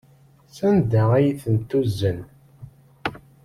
Sanda ay ten-tuzen?